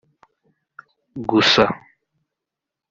gusa